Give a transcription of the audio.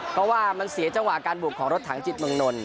ก็มันเสียจังหวะการบวกของรถถังจิตมิงโนล